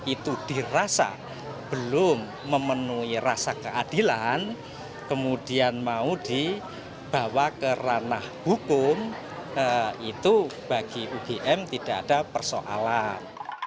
itu dirasa belum memenuhi rasa keadilan kemudian mau dibawa ke ranah hukum itu bagi ugm tidak ada persoalan